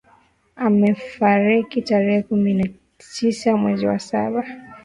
Amefariki tarehe kumi na tisa mwezi wa saba